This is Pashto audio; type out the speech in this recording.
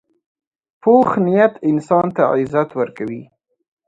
پوخ نیت انسان ته عزت ورکوي